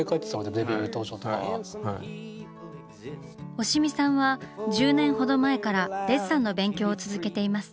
押見さんは１０年ほど前からデッサンの勉強を続けています。